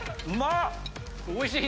うまい！